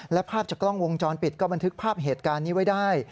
และภาพจากกล้องวงจรปิดก็บันทึกภาพเหตุการณ์นี้ไว้ได้